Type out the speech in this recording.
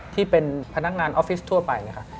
ที่เป็นพนักงานออฟฟิศทั่วไปนะคะ